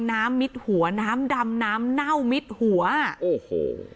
มิดหัวน้ำดำน้ำเน่ามิดหัวโอ้โห